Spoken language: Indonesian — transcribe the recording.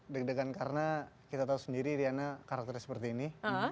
deg degan karena kita tahu sendiri riana karakternya seperti ini